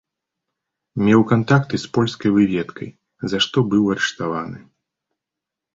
Меў кантакты з польскай выведкай, за што быў арыштаваны.